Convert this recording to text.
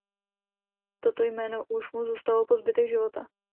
Toto jméno už mu zůstalo po zbytek života.